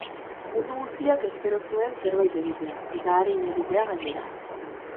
Mundu guztiak espero zuen zerbait egitea, eta arin egitea, gainera.